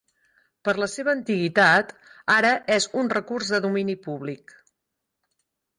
Per la seva antiguitat, ara és un recurs de domini públic.